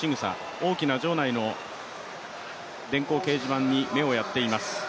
大きな場内の電光掲示板に目をやっています。